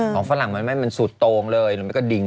ฝรั่งมันไม่มันสุดโตงเลยมันก็ดิ่ง